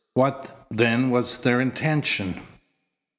What, then, was their intention?